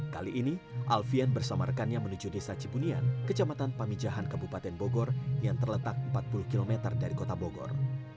kali ini alfian bersama rekannya menuju desa cibunian kecamatan pamijahan kabupaten bogor yang terletak empat puluh km dari kota bogor